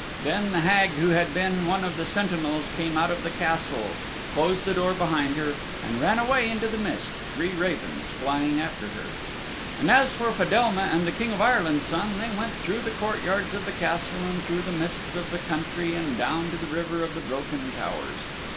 Then the Hag who had been one of the sentinels came out of the Castle, closed the door behind her and ran away into the mist, three ravens flying after her. And as for Fedelma and the King of Ireland's Son, they went through the courtyards of the Castle and through the mists of the country and down to the River of the Broken Towers.